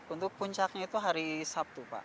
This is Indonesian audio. untuk puncaknya itu hari sabtu pak